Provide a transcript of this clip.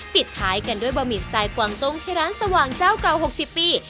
ปิดท้ายกันด้วยบะหมี่สไตล์กวางตุ้งที่ร้านสว่างเจ้าเก่า๖๐ปี